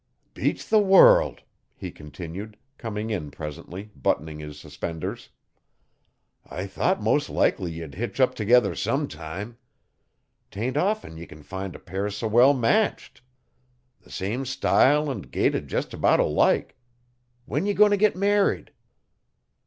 'Beats the world!' he continued, coming in presently, buttoning his suspenders. 'I thought mos' likely ye'd hitch up t'gether sometime. 'Tain't often ye can find a pair s'well matched. The same style an gaited jest about alike. When ye goin' t' git married?